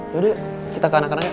yaudah kita ke anak anak